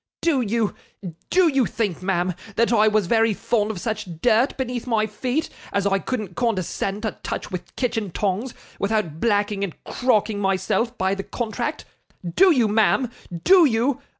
Do you do you think, ma'am that I was very fond of such dirt beneath my feet, as I couldn't condescend to touch with kitchen tongs, without blacking and crocking myself by the contract? Do you, ma'am do you?